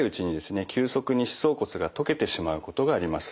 急速に歯槽骨が溶けてしまうことがあります。